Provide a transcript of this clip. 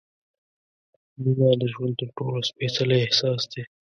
مینه د ژوند تر ټولو سپېڅلی احساس دی.